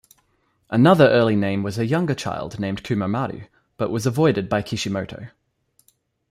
Another early name was a younger child named "Kumomaru" but was avoided by Kishimoto.